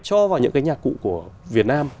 cho vào những cái nhạc cụ của việt nam